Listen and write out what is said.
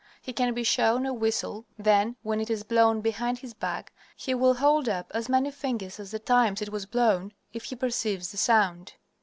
He can be shown a whistle, then, when it is blown behind his back, he will hold up as many fingers as the times it was blown, if he perceives the sound.